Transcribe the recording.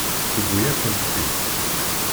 Tewwi-yakent-t-id.